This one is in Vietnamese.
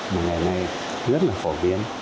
mà ngày nay rất là phổ biến